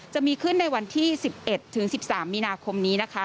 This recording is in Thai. จะมีขึ้นในวันที่๑๑ถึง๑๓มีนาคมนี้นะคะ